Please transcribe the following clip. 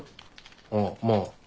ああまぁ。